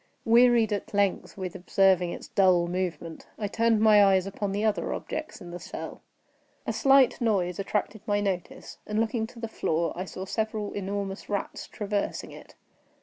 Wearied at length with observing its dull movement, I turned my eyes upon the other objects in the cell. A slight noise attracted my notice, and, looking to the floor, I saw several enormous rats traversing it.